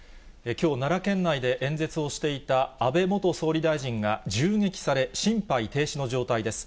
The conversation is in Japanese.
きょう、奈良県内で演説をしていた安倍元総理大臣が、銃撃され、心肺停止の状態です。